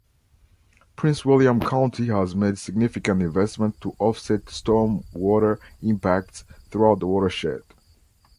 Prince William County has made significant investments to offset stormwater impacts throughout the watershed.